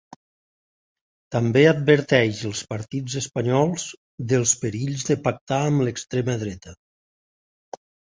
També adverteix els partits espanyols dels perills de pactar amb l’extrema dreta.